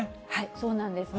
そうなんですね。